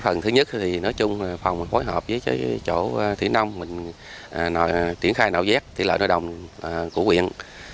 phần thứ nhất phòng phối hợp với chỗ thủy nông triển khai nạo vết thủy lợi nội đồng của huyện